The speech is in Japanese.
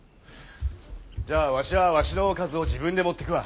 じゃあわしはわしのおかずを自分で持ってくわ。